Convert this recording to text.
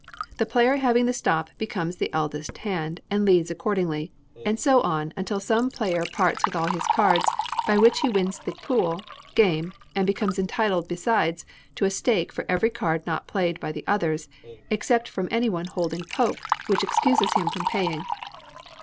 The player having the stop becomes eldest hand, and leads accordingly; and so on, until some player parts with all his cards, by which he wins the pool (game), and becomes entitled besides to a stake for every card not played by the others, except from any one holding Pope, which excuses him from paying.